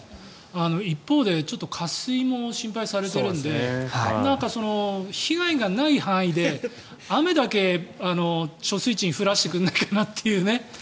一方で渇水も心配されているので被害がない範囲で雨だけ貯水池に降らせてくれないかなという。